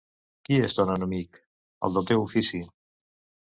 Qui és ton enemic? El del teu ofici.